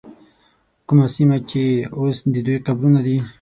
کومه سیمه کې چې اوس د دوی قبرونه دي.